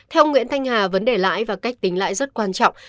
theo ông nguyễn thanh hà vấn đề lãi và cách tính lãi rất quan trọng